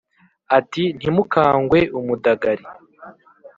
ati: ntimukqangwe umudagari